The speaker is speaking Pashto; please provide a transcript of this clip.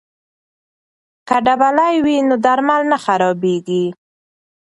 که ډبلي وي نو درمل نه خرابېږي.